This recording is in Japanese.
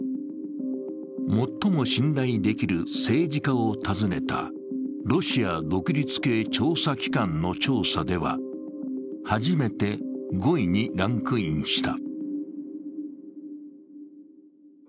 最も信頼できる政治家を訪ねたロシア独立系調査機関の調査では、初めて５位にランクインした。